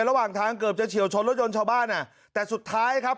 ระหว่างทางเกือบจะเฉียวชนรถยนต์ชาวบ้านอ่ะแต่สุดท้ายครับ